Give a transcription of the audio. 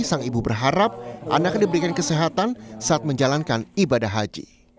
sang ibu berharap anaknya diberikan kesehatan saat menjalankan ibadah haji